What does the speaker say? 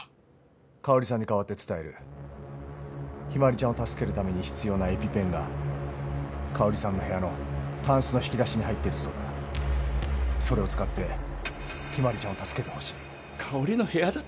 香織さんに代わって伝える日葵ちゃんを助けるために必要なエピペンが香織さんの部屋のタンスの引き出しに入ってるそうだそれを使って日葵ちゃんを助けてほしい香織の部屋だと？